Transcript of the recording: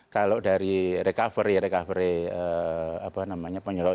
kalau dari recovery